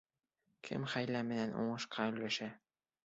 Кем хәйлә менән уңышҡа өлгәшә?